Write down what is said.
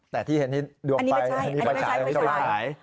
แต่ที่เห็นที่ดวงไปอันนี้ไม่ใช่